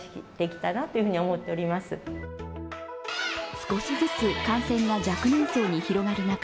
少しずつ感染が若年層に広がる中